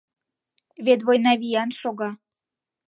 «Вет война виян шога.